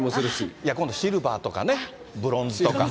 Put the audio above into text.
いや、今度シルバーとかね、ブロンズとか。